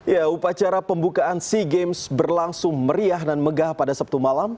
ya upacara pembukaan sea games berlangsung meriah dan megah pada sabtu malam